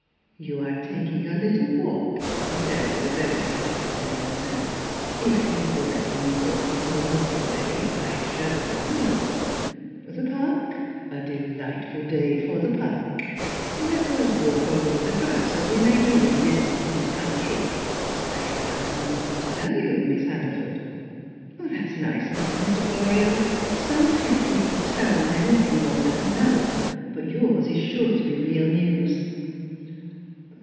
"You are taking a little walk," he said, with a very slight foreign accent. "If you will let me walk with you a little way I shall be honoured. The Park? A delightful day for the Park! Let us walk over the grass, as we may do in this free country. I have something to tell you, Miss Hannaford." "That's nice of you, Mr. Florio. So few people tell one anything one doesn't know; but yours is sure to be real news."